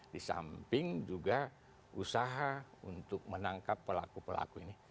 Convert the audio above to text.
disamping juga usaha untuk menangkap pelaku pelaku ini